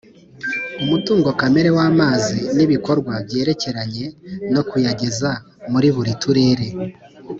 Umutungo kamere w ‘amazi n’ ibikorwa byerekeranye nokuyageza muri buri turere